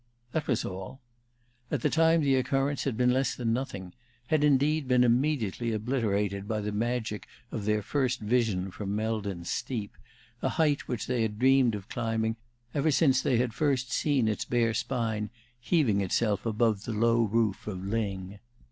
That was all. At the time the occurrence had been less than nothing, had, indeed, been immediately obliterated by the magic of their first vision from Meldon Steep, a height which they had dreamed of climbing ever since they had first seen its bare spine heaving itself above the low roof of Lyng.